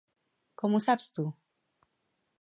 Com ho saps tu?